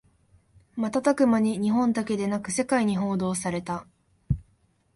瞬く間に日本だけでなく世界に報道された